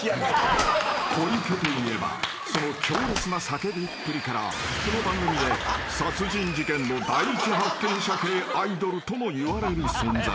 ［小池といえばその強烈な叫びっぷりからこの番組で殺人事件の第一発見者系アイドルともいわれる存在］